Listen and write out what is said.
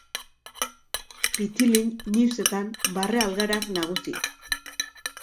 Pitilin newsetan barre algarak nagusi.